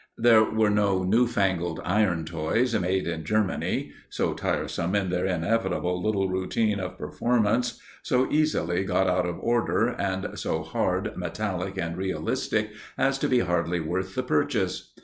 There were no new fangled iron toys "made in Germany," so tiresome in their inevitable little routine of performance, so easily got out of order, and so hard, metallic and realistic as to be hardly worth the purchase.